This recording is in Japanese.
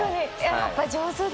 やっぱ上手だ。